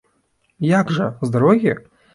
Як жа, з дарогі?